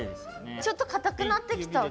ちょっとかたくなってきた。